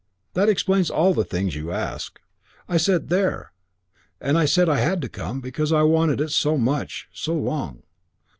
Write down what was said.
That explains all the things you asked. I said 'There'; and I said I had to come; because I'd wanted it so much, so long.